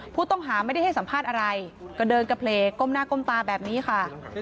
ผู้ต้องหาไม่ได้ให้สัมภาษณ์อะไรก็เดินกระเพลยก้มหน้าก้มตาแบบนี้ค่ะ